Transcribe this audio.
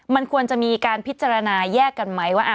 มันควรจะมีการพิจารณาแยกกันไหมว่า